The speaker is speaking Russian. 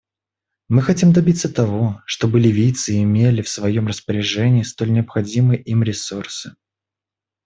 Мы хотим добиться того, чтобы ливийцы имели в своем распоряжении столь необходимые им ресурсы.